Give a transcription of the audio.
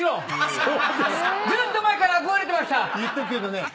言っとくけどね。